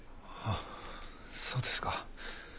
あそうですか。